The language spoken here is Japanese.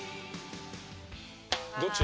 どっち？